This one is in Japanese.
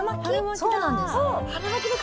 そうなんです。